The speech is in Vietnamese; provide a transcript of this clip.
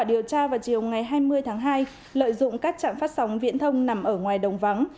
điều tra vào chiều ngày hai mươi tháng hai lợi dụng các trạm phát sóng viễn thông nằm ở ngoài đồng vắng